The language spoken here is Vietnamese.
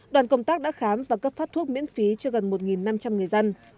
đoàn công tác đã khám và cấp phát thuốc miễn phí cho gần một năm trăm linh người dân